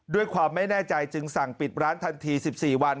ด้วยความไม่แน่ใจจึงสั่งปิดร้านทันที๑๔วัน